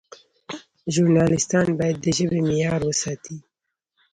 ژورنالیستان باید د ژبې معیار وساتي.